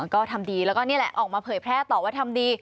ก็ทำดีแล้วก็นี่แหละออกมาเผยแพร่ต่อว่าทำดี